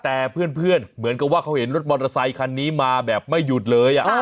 แต่เพื่อนเหมือนกับว่าเขาเห็นรถมอเตอร์ไซคันนี้มาแบบไม่หยุดเลย